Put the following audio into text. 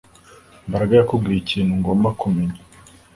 Mbaraga yakubwiye ikintu ngomba kumenya